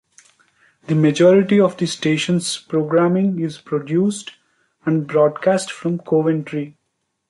The majority of the station's programming is produced and broadcast from Coventry.